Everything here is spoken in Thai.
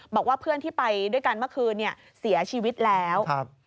บอกว่าเพื่อนที่ไปด้วยกันเมื่อคืนเสียชีวิตแล้ว